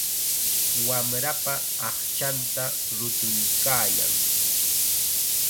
Wamrapa aqchanta rutuykaayan.